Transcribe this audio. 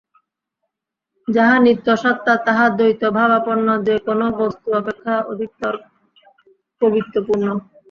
যাহা নিত্য সত্তা, তাহা দ্বৈতভাবাপন্ন যে-কোন বস্তু অপেক্ষা অধিকতর কবিত্বপূর্ণ।